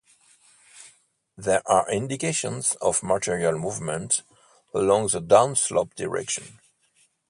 There are indications of material movement along the downslope direction.